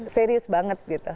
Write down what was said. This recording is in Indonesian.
serius banget gitu